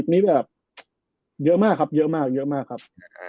๓๐นี่แบบเยอะมากครับ